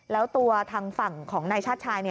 แล้วตัวทางฝั่งของนายชาติชาย